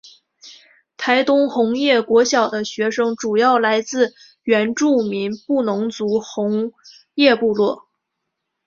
台东红叶国小的学生主要来自原住民布农族红叶部落。